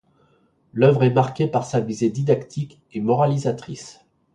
L'œuvre est marquée par sa visée didactique et moralisatrice.